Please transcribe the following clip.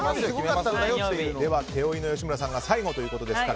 では手負いの吉村さんが最後ということですから。